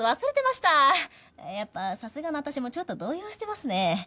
やっぱさすがの私もちょっと動揺してますね。